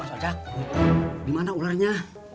mas ojak di mana ularnya